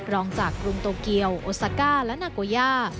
รองจากกรุงโตเกียวโอซาก้าและนาโกย่า